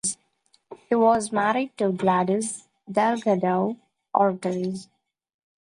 He was married to Gladys Delgado Ortiz.